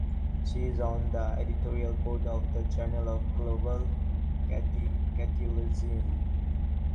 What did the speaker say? She is on the editorial board of the "Journal of Global Catholicism".